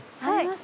はい。